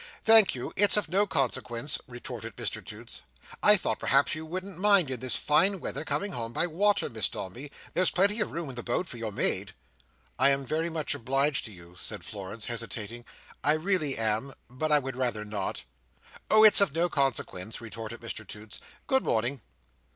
"Thank you, it's of no consequence," retorted Mr Toots. "I thought perhaps you wouldn't mind, in this fine weather, coming home by water, Miss Dombey. There's plenty of room in the boat for your maid." "I am very much obliged to you," said Florence, hesitating. "I really am—but I would rather not." "Oh, it's of no consequence," retorted Mr Toots. "Good morning."